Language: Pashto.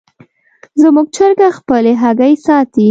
زموږ چرګه خپلې هګۍ ساتي.